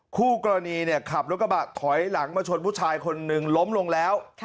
คู่กรณีขับรถกระบะถอยหลังมาชนผู้ชายคนหนึ่งล้มลงแล้ว